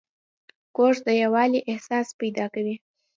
کورس د یووالي احساس پیدا کوي.